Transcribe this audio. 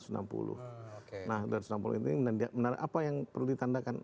nah dua ratus enam puluh itu ini menarik apa yang perlu ditandakan